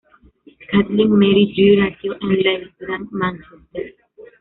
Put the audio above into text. Kathleen Mary Drew nació en Leigh, Gran Mánchester.